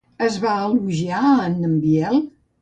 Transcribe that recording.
Es va elogiar a en Biel?